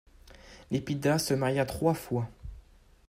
Lépida se maria trois fois.